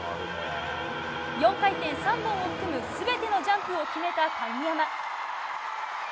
４回転３本を含む全てのジャンプを決めた鍵山。